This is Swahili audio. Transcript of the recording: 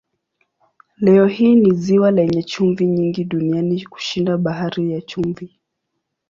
Leo hii ni ziwa lenye chumvi nyingi duniani kushinda Bahari ya Chumvi.